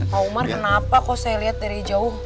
pak umar kenapa kok saya lihat dari jauh